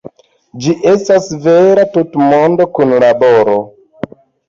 Ĝi estas vera tutmonda kunlaboro.